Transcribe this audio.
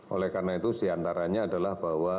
oleh karena itu diantaranya adalah bahwa